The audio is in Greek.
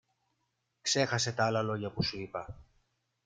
Ξέχασε τ' άλλα λόγια που σου είπα.